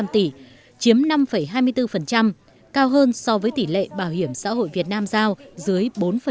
năm trăm linh tỷ chiếm năm hai mươi bốn cao hơn so với tỷ lệ bảo hiểm xã hội việt nam giao dưới bốn